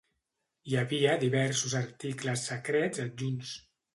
Hi havia diversos articles secrets adjunts.